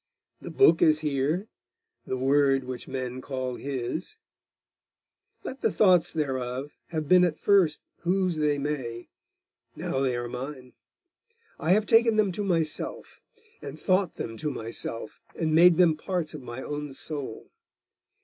The book is here the word which men call his. Let the thoughts thereof have been at first whose they may, now they are mine. I have taken them to myself, and thought them to myself, and made them parts of my own soul.